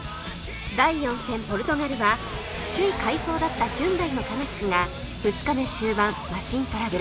第４戦ポルトガルは首位快走だったヒュンダイのタナックが２日目終盤マシントラブル